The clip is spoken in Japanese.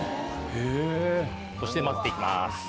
そして混ぜて行きます。